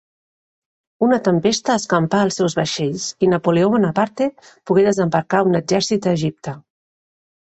Una tempesta escampà els seus vaixells i Napoleó Bonaparte pogué desembarcar un exèrcit a Egipte.